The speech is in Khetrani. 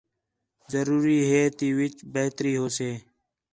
ضرور ہے تی وِچ بہتری ہوسے